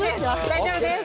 大丈夫です。